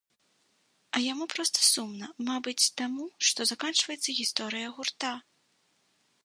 А яму проста сумна, мабыць, таму, што заканчваецца гісторыя гурта.